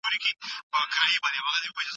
د شخصیت جوړونه له مطالعې پرته ناشونې ده.